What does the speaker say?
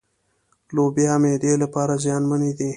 لوبيا معدې لپاره زيانمنې دي.